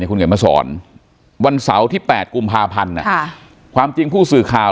คุณเขียนมาสอนวันเสาร์ที่๘กุมภาพันธ์ความจริงผู้สื่อข่าว